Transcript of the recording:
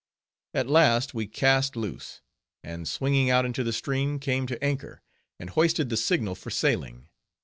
At last we cast loose, and swinging out into the stream, came to anchor, and hoisted the signal for sailing.